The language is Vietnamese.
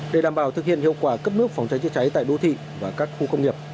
để đảm bảo thực hiện hiệu quả cấp nước phòng cháy chữa cháy tại đô thị và các khu công nghiệp